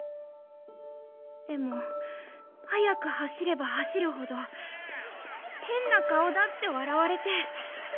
でも速く走れば走るほど変な顔だって笑われて。